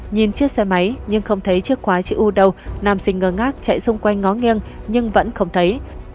nhìn chiếc xe máy nhưng không thấy chiếc khóa chữ u đầu nam sinh ngờ ngác chạy xung quanh ngó nghiêng nhưng vẫn không thấy